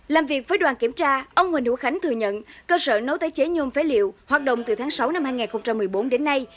làm việc với đoàn kiểm tra ông huỳnh hữu khánh thừa nhận cơ sở nấu tái chế nhôm phế liệu hoạt động từ tháng sáu năm hai nghìn một mươi bốn đến nay